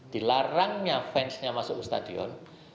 dilarangnya fansnya masuk ke stadion